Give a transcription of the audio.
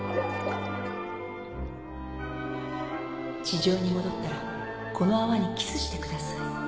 地上に戻ったらこの泡にキスしてください。